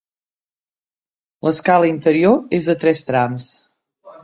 L'escala interior és de tres trams.